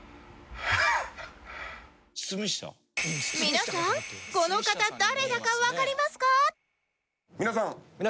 皆さんこの方誰だかわかりますか？